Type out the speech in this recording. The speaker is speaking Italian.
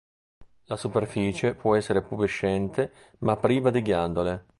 La superficie può essere pubescente ma priva di ghiandole.